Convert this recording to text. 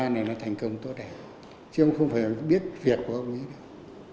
một mươi ba này là thành công tốt đẹp chứ không phải biết việc của ông ý đâu